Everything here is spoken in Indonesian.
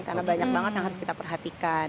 karena banyak banget yang harus kita perhatikan